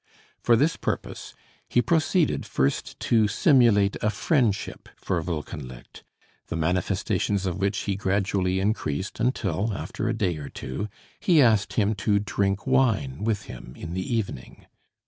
For this purpose he proceeded first to simulate a friendship for Wolkenlicht, the manifestations of which he gradually increased, until, after a day or two, he asked him to drink wine with him in the evening.